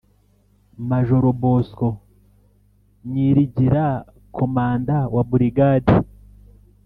majoro bosco nyirigira: komanda wa burigade